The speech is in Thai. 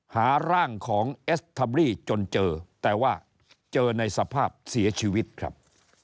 หาร่างของเอสทาบี้จนเจอแต่ว่าเจอในสภาพเสียชีวิตครับ